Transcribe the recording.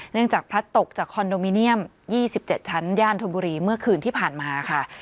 จากพลัดตกจากคอนโดมิเนียม๒๗ชั้นย่านธนบุรีเมื่อคืนที่ผ่านมาค่ะ